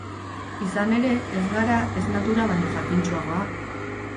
Izan ere, ez gara ez natura baino jakintsuagoak.